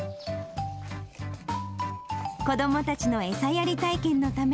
子どもたちの餌やり体験のため、